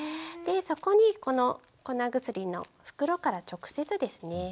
そこにこの粉薬の袋から直接ですね